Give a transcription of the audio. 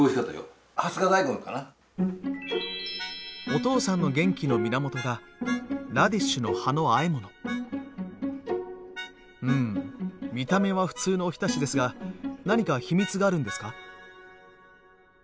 お父さんの元気の源がうん見た目は普通のおひたしですが何か秘密があるんですか？